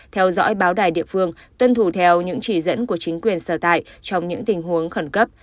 theo dõi báo đài địa phương tuân thủ theo những chỉ dẫn của chính quyền sở tại trong những tình huống khẩn cấp